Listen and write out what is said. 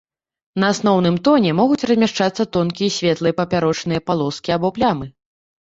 На асноўным тоне могуць размяшчацца тонкія светлыя папярочныя палоскі або плямы.